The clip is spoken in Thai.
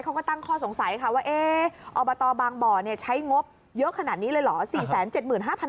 เขาก็ตั้งข้อสงสัยค่ะว่าอบตบางบ่อใช้งบเยอะขนาดนี้เลยเหรอ